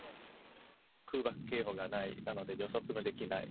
空爆警報がない、なので、予測ができない。